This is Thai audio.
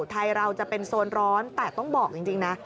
ไทยเราจะเป็นโซนร้อนแต่ต้องบอกจริงนะ